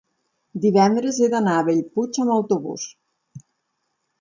divendres he d'anar a Bellpuig amb autobús.